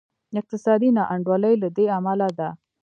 اقتصادي نا انډولي له دې امله ده.